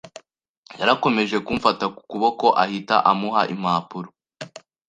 Yarakomeje kumfata ku kuboko, ahita amuha impapuro.